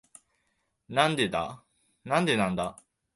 なんでなんだ？